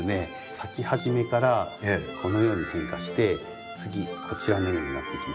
咲き始めからこのように変化して次こちらのようになっていきます。